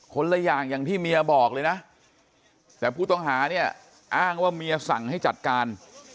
คนละอย่างอย่างที่เมียบอกเลยนะแต่ผู้ต้องหาเนี่ยอ้างว่าเมียสั่งให้จัดการ